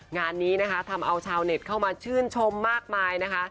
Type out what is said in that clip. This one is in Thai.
งานนี้นะคะทำเอาชาวเน็ตเข้ามาชื่นชมมากมายนะคะ